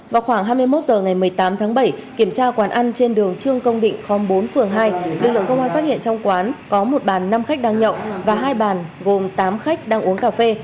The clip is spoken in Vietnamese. vào khoảng hai mươi một h ngày một mươi tám tháng bảy kiểm tra quán ăn trên đường trương công định khóm bốn phường hai lực lượng công an phát hiện trong quán có một bàn năm khách đang nhậu và hai bàn gồm tám khách đang uống cà phê